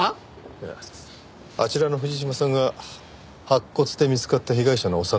いやあちらの藤島さんが白骨で見つかった被害者の幼なじみだったもので。